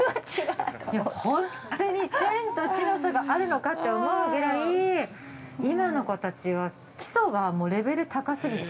ほんとに、天と地の差があるのかって思うぐらい今の子たちは基礎がレベル高すぎて。